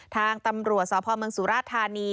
ทางตำรวจสพเมืองสุราธานี